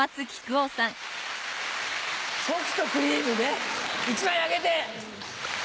祖父とクリームね１枚あげて。